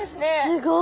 すごい。